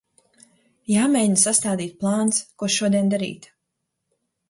Jāmēģina sastādīt plāns, ko šodien darīt.